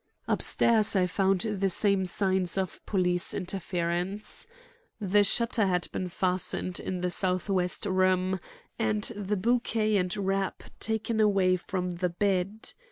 Upstairs I found the same signs of police interference. The shutter had been fastened in the southwest room, and the bouquet and wrap taken away from the bed.